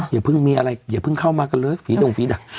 อย่าเพิ่งเข้ามากันเลยฟีดหว่องฟีด